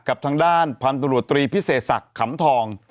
กับทางด้านพันธุรกิจตรีพิเศษศักดิ์ขำทอง